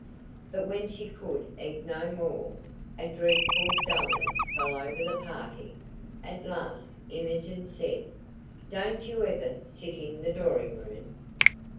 But when she could eat no more, a dreadful dulness fell over the party. At last Imogen said: "Don't you ever sit in the drawing room?"